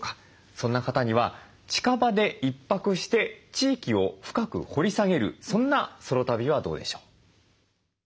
そんな方には近場で１泊して地域を深く掘り下げるそんなソロ旅はどうでしょう。